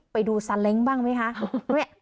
ไปดูบ้างไหมคะ